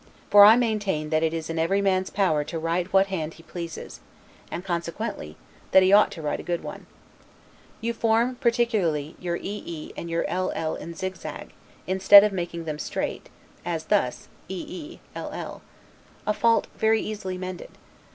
for I maintain, that it is in every man's power to write what hand he pleases; and, consequently, that he ought to write a good one. You form, particularly, your 'ee' and your 'll' in zigzag, instead of making them straight, as thus, 'ee', 'll'; a fault very easily mended.